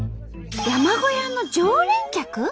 山小屋の常連客？